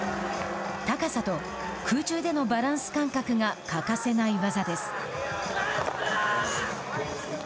高さと空中でのバランス感覚が欠かせない技です。